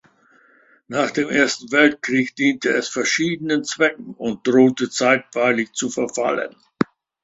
Nach dem Ersten Weltkrieg diente es verschiedenen Zwecken und drohte zeitweilig zu verfallen.